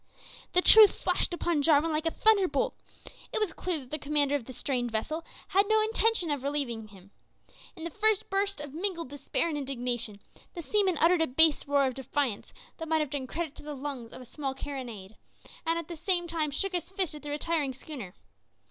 The truth flashed upon Jarwin like a thunderbolt. It was clear that the commander of the strange vessel had no intention of relieving him. In the first burst of mingled despair and indignation, the seaman uttered a bass roar of defiance that might have done credit to the lungs of a small carronade, and at the same time shook his fist at the retiring schooner.